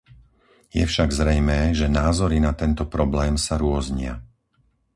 Je však zrejmé, že názory na tento problém sa rôznia.